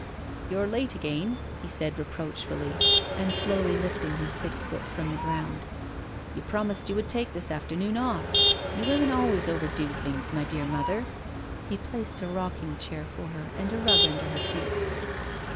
" You're late again," he said reproachfully, and slowly lifting his six foot from the ground. " You promised you would take this afternoon off — you women always overdo things, my dear mother." He placed a rocking chair for her and a rug under her feet.